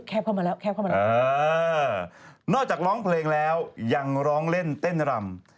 เข้ามาแล้วแคบเข้ามาแล้วนอกจากร้องเพลงแล้วยังร้องเล่นเต้นรำ